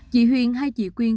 chị huyền hay chị quyên